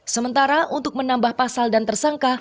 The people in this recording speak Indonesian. sementara untuk menambah pasal dan tersangka